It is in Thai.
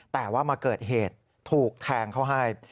แต่ว่ามาเกิดเหตุถูกแทงเขาให้